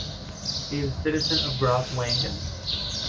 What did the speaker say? He is a citizen of Grosswangen.